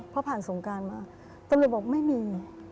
พอผ่านสงการมาตำรวจบอกไม่มี